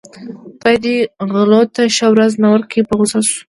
خدای دې دې غلو ته ښه ورځ نه ورکوي په غوسه شو.